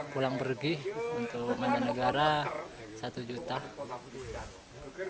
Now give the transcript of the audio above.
pulang pergi untuk mandan negara rp satu